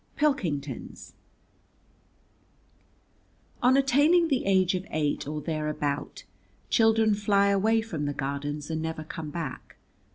XXIII. Pilkington's On attaining the age of eight, or thereabout, children fly away from the Gardens, and never come back.